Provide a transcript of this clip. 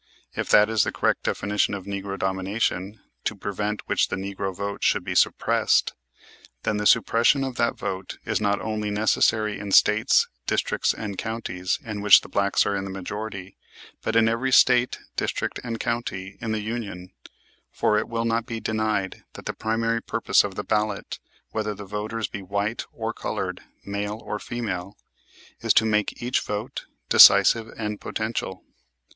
If that is the correct definition of "Negro Domination," to prevent which the negro vote should be suppressed, then the suppression of that vote is not only necessary in States, districts, and counties in which the blacks are in the majority, but in every State, district, and county in the Union; for it will not be denied that the primary purpose of the ballot, whether the voters be white or colored, male or female, is to make each vote decisive and potential.